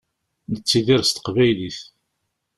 Nettidir s teqbaylit.